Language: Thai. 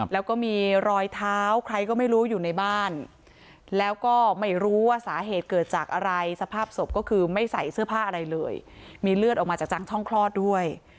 แล้วก็มีรอยเท้าใครก็ไม่รู้อยู่ในบ้านแล้วก็ไม่รู้ว่าสาเหตุเกิดจากอะไรสภาพศพก็คือไม่ใส่เสื้อผ้าอะไรเลยมีเลือดออกมาจากจังช่องคลอดด้วย